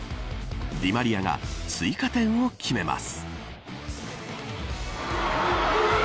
ディマリアが追加点を決めます。